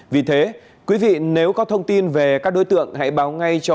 vì thế quý vị nếu có thông tin về các đối tượng hãy báo ngay cho